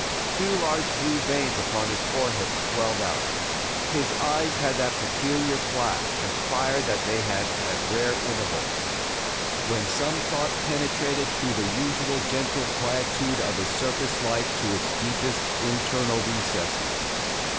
Two large blue veins upon his forehead swelled out, his eyes had that peculiar flash and fire that they had at rare intervals, when some thought penetrated through the usual gentle quietude of his surface life to its deepest internal recesses.